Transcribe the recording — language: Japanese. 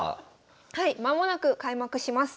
はい間もなく開幕します。